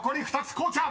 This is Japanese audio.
こうちゃん］